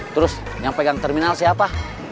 terus yang pegang terminal siapa